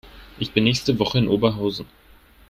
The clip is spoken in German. Ich bin nächste Woche in Oberhausen